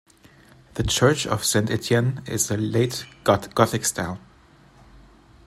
The church of Saint Etienne is late Gothic style.